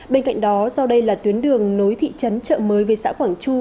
bên cạnh đó do đây là tuyến đường nối thị trấn trợ mới với xã quảng chu